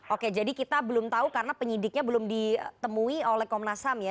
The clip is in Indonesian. oke jadi kita belum tahu karena penyidiknya belum ditemui oleh komnas ham ya